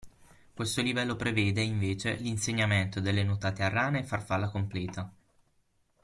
Questo livello prevede, invece, l'insegnamento delle nuotate a rana e farfalla completa.